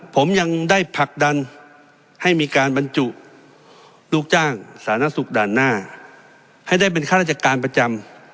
ผมยังได้ผลักดันให้มีการบรรจุลูกจ้างสาธารณสุขด่านหน้าให้ได้เป็นข้าราชการประจำ